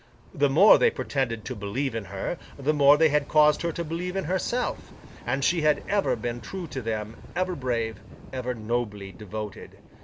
The more they pretended to believe in her, the more they had caused her to believe in herself; and she had ever been true to them, ever brave, ever nobly devoted.